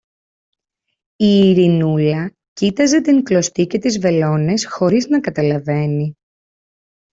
Η Ειρηνούλα κοίταζε την κλωστή και τις βελόνες χωρίς να καταλαβαίνει.